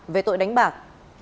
về tội đánh bạc